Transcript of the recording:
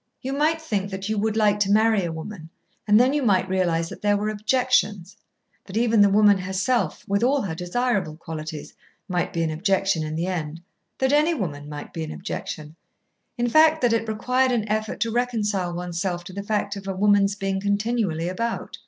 You might think that you would like to marry a woman and then you might realise that there were objections that even the woman herself, with all her desirable qualities, might be an objection in the end, that any woman might be an objection; in fact, that it required an effort to reconcile oneself to the fact of a woman's being continually about.